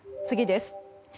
次です。